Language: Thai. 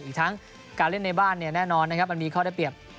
อีกทั้งการเล่นในบ้านเนี่ยแน่นอนนะครับมันมีข้อได้เปรียบ